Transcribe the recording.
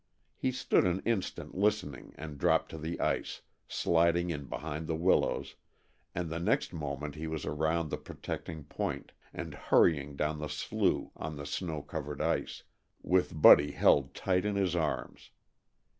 He stood an instant listening and dropped to the ice, sliding in behind the willows, and the next moment he was around the protecting point, and hurrying down the slough on the snow covered ice, with Buddy held tight in his arms.